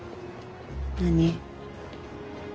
何？